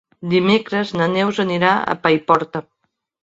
Dimecres na Neus anirà a Paiporta.